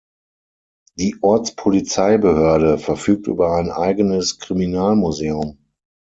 Die Ortspolizeibehörde verfügt über ein eigenes Kriminalmuseum.